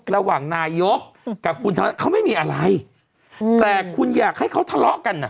ระหว่างนายกกับคุณเขาไม่มีอะไรแต่คุณอยากให้เขาทะเลาะกันอ่ะ